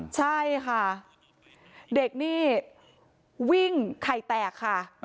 ใช่ค่ะเด็กนี่วิ่งไข่แตกค่ะ